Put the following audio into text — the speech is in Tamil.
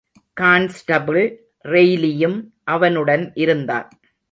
கான்ஸ்டபிள் ரெய்லியும் அவனுடன் இருந்தான்.